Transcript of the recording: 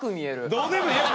どうでもええわ！